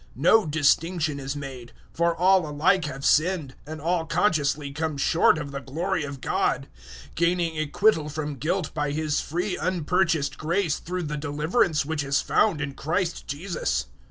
No distinction is made; 003:023 for all alike have sinned, and all consciously come short of the glory of God, 003:024 gaining acquittal from guilt by His free unpurchased grace through the deliverance which is found in Christ Jesus.